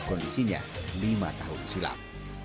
kondisinya lima tahun silam